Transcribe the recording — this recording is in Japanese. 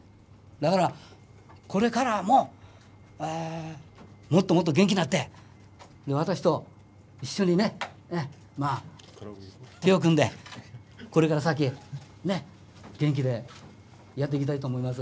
だからこれからももっともっと元気になって私と一緒にね手を組んでこれから先ね元気でやっていきたいと思います。